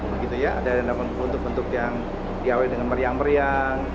begitu ya ada bentuk bentuk yang diawali dengan meriang meriang